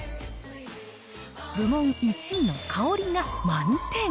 部門１位の香りが満点。